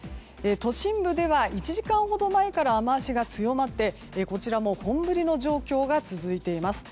都心部では１時間ほど前から雨脚が強まってこちらも本降りの状況が続いています。